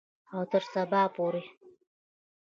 او تر سبا پورې.